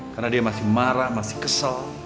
karena dia masih marah masih kesel